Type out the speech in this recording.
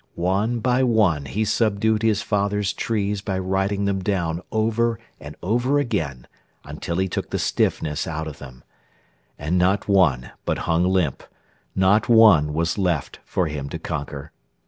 One by one he subdued his father's trees By riding them down over and over again Until he took the stiffness out of them, And not one but hung limp, not one was left For him to conquer.